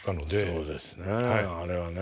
そうですねあれはね。